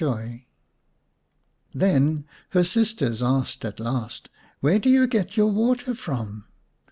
by Then her sisters asked at last :" Where do you get your water from